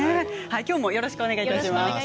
きょうもよろしくお願いいたします。